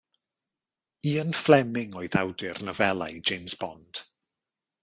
Ian Fleming oedd awdur nofelau James Bond.